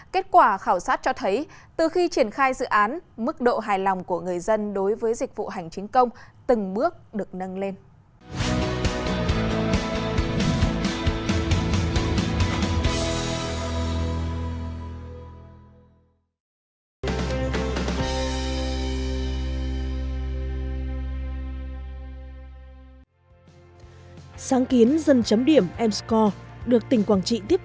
kết quả khảo sát cho thấy từ khi triển khai dự án mức độ hài lòng của người dân đối với dịch vụ hành chính công từng bước được nâng lên